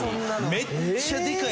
めっちゃでかい。